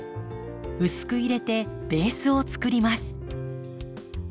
薄く入れてベースをつくります。